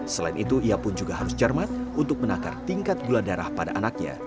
selain itu ia pun juga harus cermat untuk menakar tingkat gula darah pada anaknya